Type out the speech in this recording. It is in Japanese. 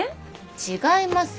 違います！